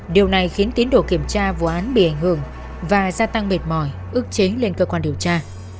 điều này khiến tiến độ kiểm tra vụ án bị ảnh hưởng và gia tăng mệt mỏi ước chế lên cơ quan điều tra